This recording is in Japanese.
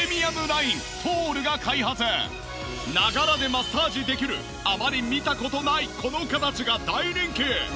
マッサージできるあまり見た事ないこの形が大人気！